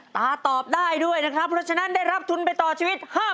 ตอบได้ด้วยนะครับเพราะฉะนั้นได้รับทุนไปต่อชีวิต๕๐๐บาท